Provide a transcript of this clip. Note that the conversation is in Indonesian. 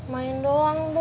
main doang bu